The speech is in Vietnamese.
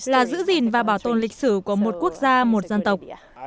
là giữ gìn và bảo tồn lịch sử của một quốc gia một dân tộc